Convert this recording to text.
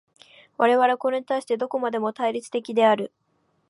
我々はこれに対してどこまでも対立的である。